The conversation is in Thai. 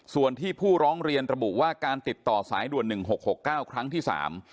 ส่วนที่ผู้ร้องเรียนระบุว่าการติดต่อสายด่วนหนึ่งหกหกเก้าครั้งที่สาม